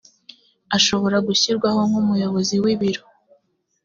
ashobora gushyirwaho nk umuyobozi w ibiro